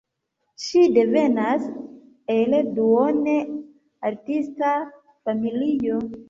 Ŝi devenas el duone artista familio.